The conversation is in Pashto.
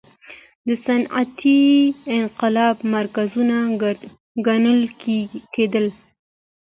د صنعتي انقلاب مرکزونه ګڼل کېدل.